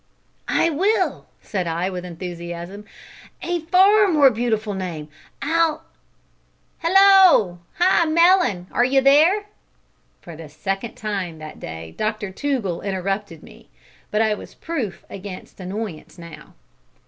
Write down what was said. "I will," said I, with enthusiasm, "a far more beautiful name. I'll " "Hallo! hi! Mellon, are you there?" For the second time that day Dr McTougall interrupted me, but I was proof against annoyance now.